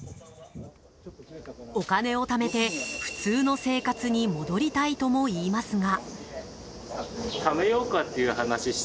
お金をためて、普通の生活に戻りたいとも言いますが。